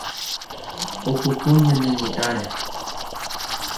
Opoko ñane ñe'ãre